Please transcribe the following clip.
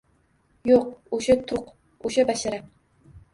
Yo‘q, o‘sha turq, o‘sha bashara